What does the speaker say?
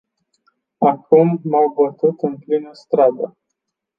Acum m-au bătut în plină stradă.